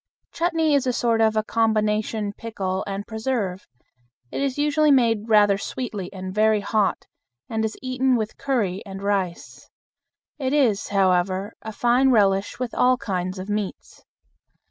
Chutney is a sort of a combination pickle and preserve. It is usually made rather sweetly and very hot, and is eaten with curry and rice. It is, however, a fine relish with all kinds of meats.